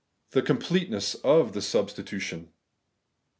THE COMPLETENESS OF THE SUBSTITUTION